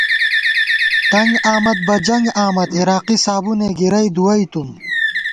تنگ آمد بہ جنگ آمد عراقی صابُنےگِرَئی دُوَئیتُم